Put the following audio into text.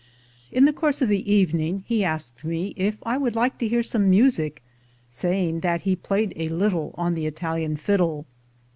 In the course of the evening he asked me if I would like to hear some music, saying that he played a little on the Italian fiddle.